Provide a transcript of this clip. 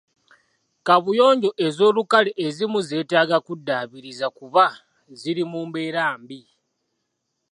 Kaabuyonjo ez'olukale ezimu zeetaaga kuddaabiriza kuba ziri mu mbeera mbi.